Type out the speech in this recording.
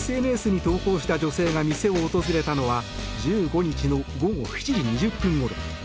ＳＮＳに投稿した女性が店を訪れたのは１５日の午後７時２０分ごろ。